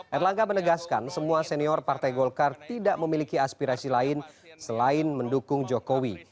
erlangga menegaskan semua senior partai golkar tidak memiliki aspirasi lain selain mendukung jokowi